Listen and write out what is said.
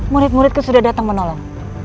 murid muridku sudah datang menolong